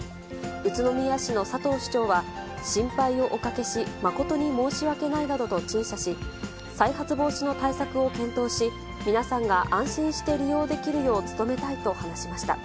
宇都宮市の佐藤市長は、心配をおかけし、誠に申し訳ないなどと陳謝し、再発防止の対策を検討し、皆さんが安心して利用できるよう努めたいと話しました。